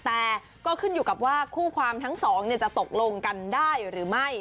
แต่ก็ขึ้นอยู่กับว่าคู่ความทั้งสองจะตกลงกันได้หรือไม่